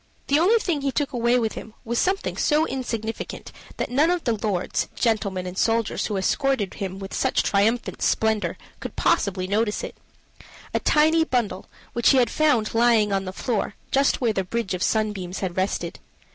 The only thing he took away with him was something so insignificant that none of the lords, gentlemen, and soldiers who escorted him with such triumphant splendor could possibly notice it a tiny bundle, which he had found lying on the floor just where the bridge of sunbeams had rested.